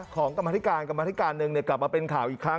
กรรมธิการกรรมธิการหนึ่งกลับมาเป็นข่าวอีกครั้ง